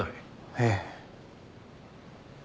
ええ。